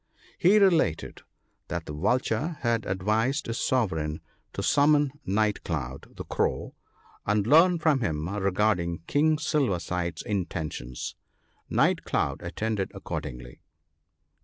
He related 1 130 THE BOOK OF GOOD COUNSELS. that the Vulture had advised his Sovereign to summon Night cloud, the Crow, and learn from him regarding King Silver sides' intentions. Night cloud attended ac cordingly.